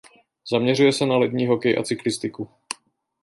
Zaměřuje se na lední hokej a cyklistiku.